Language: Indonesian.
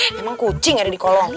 eh emang kucing ada di kolam